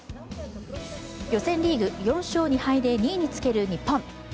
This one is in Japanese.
予選リーグ、４勝２敗で２位につける日本。